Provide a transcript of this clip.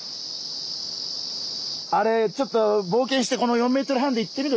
あれちょっとぼう険してこの４ｍ半でいってみる？